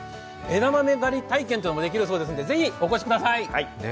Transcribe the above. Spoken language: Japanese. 枝豆狩り体験というのもできるそうですのでぜひお越しください！